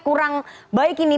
kurang baik ini